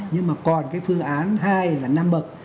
nhưng mà còn cái phương án hai là năm bậc